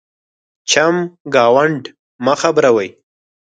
چمګاونډ مه خبرَوئ.